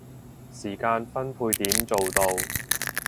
時間分配點做到